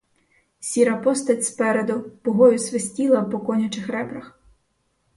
Сіра постать спереду пугою свистіла по конячих ребрах.